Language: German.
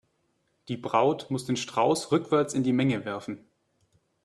Die Braut muss den Strauß rückwärts in die Menge werfen.